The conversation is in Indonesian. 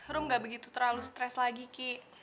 rum gak begitu terlalu stres lagi ki